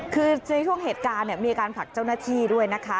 คือในช่วงเหตุการณ์มีการผลักเจ้าหน้าที่ด้วยนะคะ